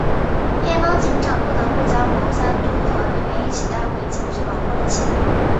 黑猫警长不得不将牟三嘟和能源一起带回警局保护了起来。